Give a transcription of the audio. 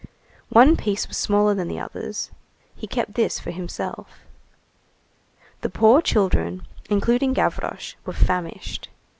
One piece was smaller than the others; he kept this for himself. The poor children, including Gavroche, were famished.